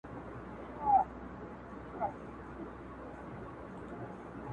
زه برندې سترګې او شډله ځواني حسن ګڼم